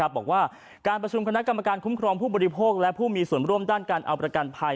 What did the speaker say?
บอกว่าการประชุมคณะกรรมการคุ้มครองผู้บริโภคและผู้มีส่วนร่วมด้านการเอาประกันภัย